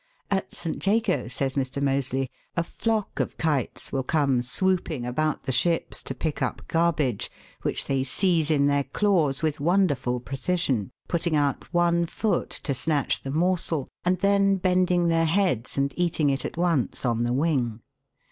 At St. Jago, says Mr. Moseley, a flock of kites will come swooping about the ships to pick up garbage, which they seize in their claws with wonderful precision, putting out one foot to snatch the morsel and then bending their heads and eating it at once on the wing.